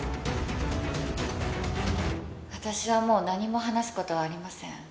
「私はもう何も話す事はありません」